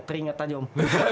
teringat aja om